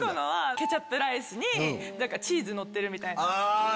ケチャップライスにチーズのってるみたいな。